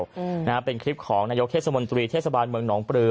อืมนะฮะเป็นคลิปของนายกเทศมนตรีเทศบาลเมืองหนองปลือ